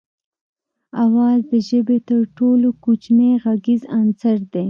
آواز د ژبې تر ټولو کوچنی غږیز عنصر دی